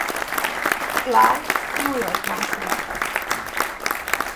Clark New Yorkban született.